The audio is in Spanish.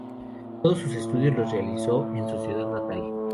Todos sus estudios los realizó en su ciudad natal.